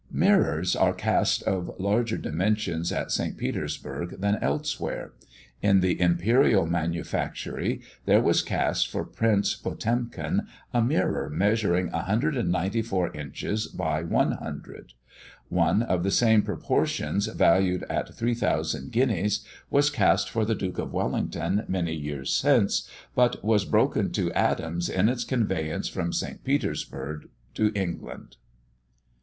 Mirrors are cast of larger dimensions at St. Petersburg than elsewhere. In the imperial manufactory, there was cast for Prince Potemkin, a mirror measuring 194 inches by 100. One of the same proportions, valued at 3000 guineas, was cast for the Duke of Wellington many years since, but was broken to atoms in its conveyance from St. Petersburg to England.